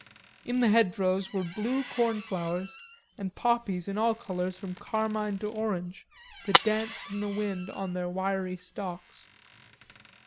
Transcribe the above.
In the hedgerows were blue cornflowers and poppies in all colors from carmine to orange that danced in the wind on their wiry stalks.